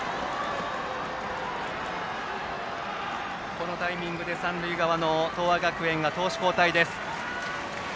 このタイミングで三塁側の東亜学園が投手交代です。